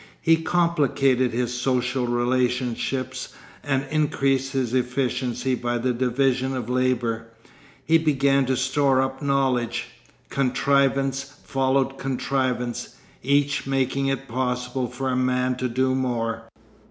He complicated his social relationships and increased his efficiency by the division of labour. He began to store up knowledge. Contrivance followed contrivance, each making it possible for a man to do more.